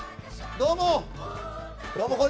どうも！